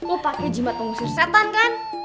oh pake jimat nguzir setan kan